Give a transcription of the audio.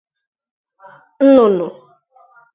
nnụnụ